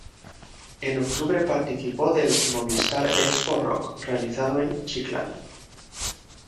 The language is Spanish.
En octubre participó del "Movistar Expo Rock" realizado en Chiclayo.